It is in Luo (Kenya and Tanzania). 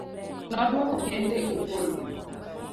nodwoko kende owuon